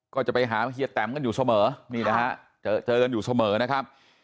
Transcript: ก็จะไปหาเฮียแตมกันอยู่เสมอนี่นะฮะเจอกันอยู่เสมอนะครับ